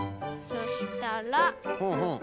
そしたら。